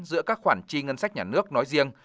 giữa các khoản chi ngân sách nhà nước nói riêng